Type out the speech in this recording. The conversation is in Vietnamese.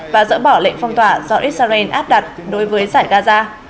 và dỡ bỏ lệnh phong tỏa do israel áp đặt đối với giải gaza